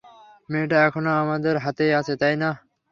মেয়েটা এখনো আমাদের হাতেই আছে, তাই-না?